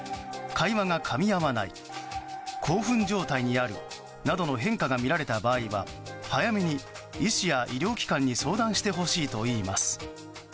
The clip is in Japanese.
会話がかみ合わない興奮状態にあるなどの変化が見られた場合は早めに医師や医療機関に相談してほしいといいます。